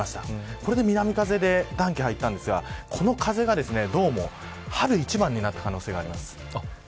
これで南風で暖気が入ったんですがこの風が、どうも春一番になった可能性があります。